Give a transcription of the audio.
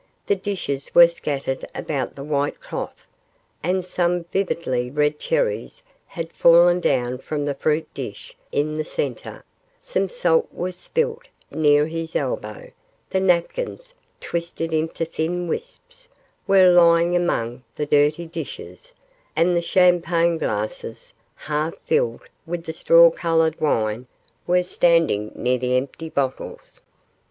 The dishes were scattered about the white cloth, and some vividly red cherries had fallen down from the fruit dish in the centre, some salt was spilt near his elbow, the napkins, twisted into thin wisps, were lying among the dirty dishes, and the champagne glasses, half filled with the straw coloured wine, were standing near the empty bottles.